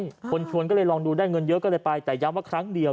คนชวนก็เลยลองดูได้เงินเยอะก็เลยไปแต่ย้ำว่าครั้งเดียว